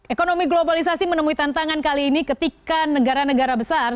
ekonomi globalisasi menemui tantangan kali ini ketika negara negara besar